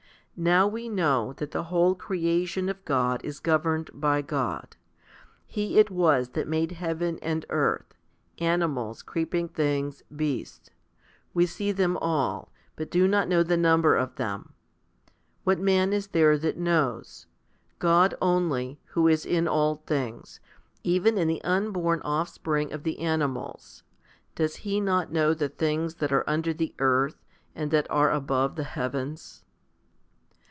Now we know that the whole creation of God is governed by God. He it was that made heaven and earth, animals, creeping things, beasts. We see them all, but do not know the number of them. What man is there that knows ? God only, who is in all things, even in the unborn offspring of the animals. Does He not 1 Mark in. u. ; cp. Matt. viii. 29. K 94 FIFTY SPIRITUAL HOMILIES know the things that are under the earth, and that are above the heavens